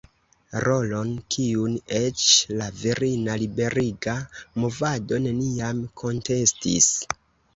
Rolon, kiun eĉ la virina liberiga movado neniam kontestis.